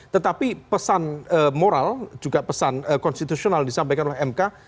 tetapi pesan moral juga pesan konstitusional disampaikan oleh mk